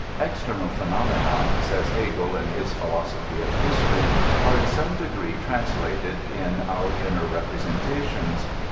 External phenomena/' says Hegel, in hk Philosophtf of History, '' are in some degree translated in out inner representations."